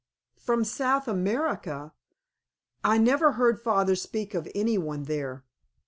"From South America! I never heard father speak of any one there."